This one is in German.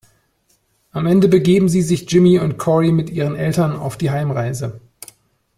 Am Ende begeben sie sich Jimmy und Corey mit ihren Eltern auf die Heimreise.